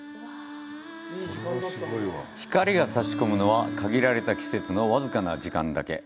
光が差し込むのは限られた季節の僅かな時間だけ。